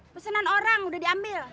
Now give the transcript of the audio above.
pesanan orang udah diambil